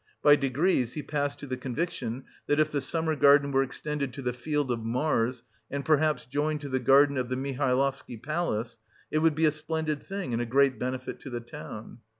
By degrees he passed to the conviction that if the summer garden were extended to the field of Mars, and perhaps joined to the garden of the Mihailovsky Palace, it would be a splendid thing and a great benefit to the town.